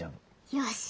よし。